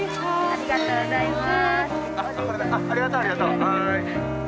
ありがとうございます。